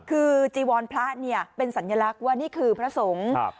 คือจีวรพระเนี่ยเป็นสัญลักษณ์ว่านี่คือพระสงฆ์